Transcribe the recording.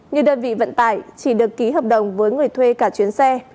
như đơn vị vận tải chỉ được ký hợp đồng với người thuê cả chuyến xe